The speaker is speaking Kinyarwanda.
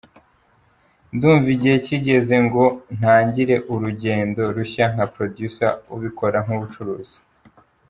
Ndumva igihe kigeze ngo ntangire urugendo rushya nka Producer ubikora nk’ubucuruzi.